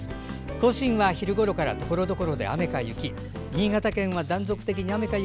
甲信は昼ごろからところどころで雨か雪。